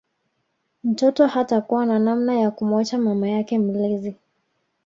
Mtoto hatakuwa na namna ya kumuacha mama yake mlezi